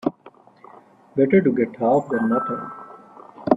Better to get half than nothing.